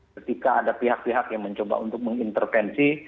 ketika ada pihak pihak yang mencoba untuk mengintervensi